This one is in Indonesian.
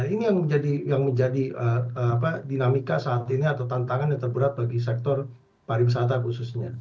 ini yang menjadi dinamika saat ini atau tantangan yang terberat bagi sektor pariwisata khususnya